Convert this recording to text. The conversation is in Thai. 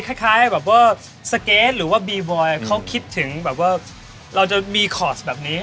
คล้ายแบบว่าสเก็ตหรือว่าบีบอยเขาคิดถึงแบบว่าเราจะมีคอร์สแบบนี้